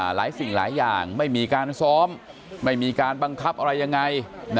สิ่งหลายอย่างไม่มีการซ้อมไม่มีการบังคับอะไรยังไง